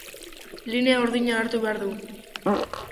Linea urdina hartu behar du.